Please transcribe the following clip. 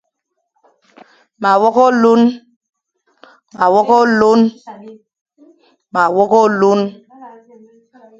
Ma wogh olune.